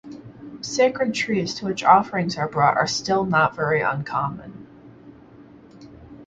Sacred trees to which offerings are brought are still not very uncommon.